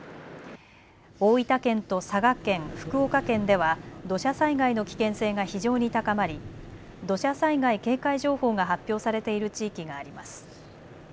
大分県と佐賀県、福岡県では土砂災害の危険性が非常に高まり土砂災害警戒情報が発表されている地域があります。